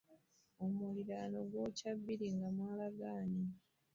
Omuliraano gwokya bbiri nga mwalaganye .